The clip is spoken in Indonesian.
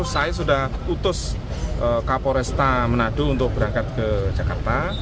saya sudah utus kapolresta manado untuk berangkat ke jakarta